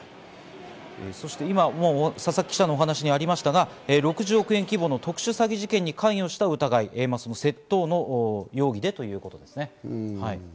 今、佐々木記者のお話にありましたが、６０億円規模の特殊詐欺事件に関与した疑い、窃盗の容疑でということですね。